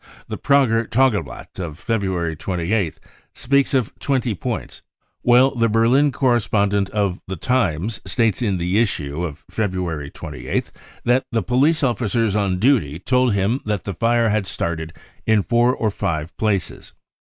The Prager Tageblatt of February 28th speaks of 20 points, while the Berlin correspondent of The Times states in the issue of February 28th that the police officer on duty told him that the fire had started in 4 or 5 places.